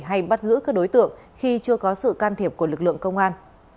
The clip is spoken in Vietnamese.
hay bắt giữ các đối tượng khi chưa có sự can thiệp của lực lượng công an